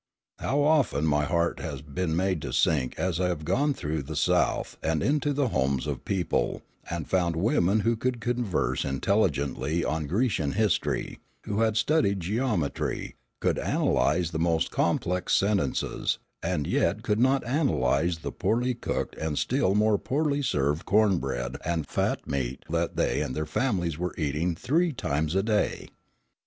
How often has my heart been made to sink as I have gone through the South and into the homes of people, and found women who could converse intelligently on Grecian history, who had studied geometry, could analyse the most complex sentences, and yet could not analyse the poorly cooked and still more poorly served corn bread and fat meat that they and their families were eating three times a day!